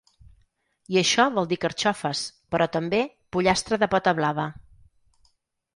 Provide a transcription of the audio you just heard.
I això vol dir carxofes, però també, pollastre de pota blava.